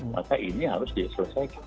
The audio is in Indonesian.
maka ini harus diselesaikan